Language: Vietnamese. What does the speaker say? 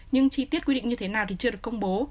nhưng chi tiết quy định như thế nào thì chưa được công bố